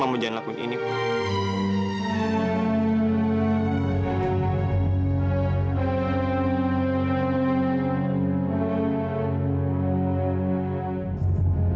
mama nggak mau jadi siapa siapa